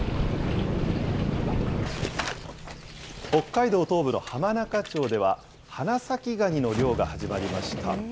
北海道東部の浜中町では、花咲ガニの漁が始まりました。